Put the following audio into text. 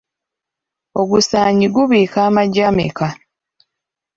Ogusaanyi gubiika amagi ameka?